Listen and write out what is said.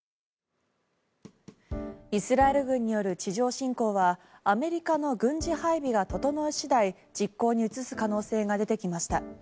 イスラエル軍による地上侵攻はアメリカの軍事配備が整い次第実行に移す可能性が出てきました。